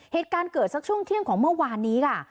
เหตุการณ์เกิดสักช่วงเที่ยงของเมื่อวานนี้ค่ะ